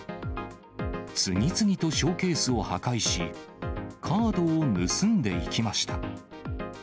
次々とショーケースを破壊し、カードを盗んでいきました。